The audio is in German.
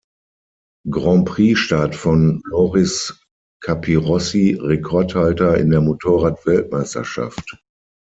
Grand Prix Start von Loris Capirossi Rekordhalter in der Motorrad-Weltmeisterschaft.